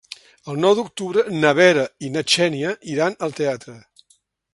El nou d'octubre na Vera i na Xènia iran al teatre.